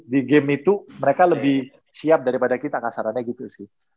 di game itu mereka lebih siap daripada kita kasarannya gitu sih